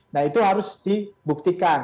nah itu harus dibuktikan